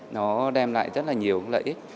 nó đem lại rất nhiều lợi ích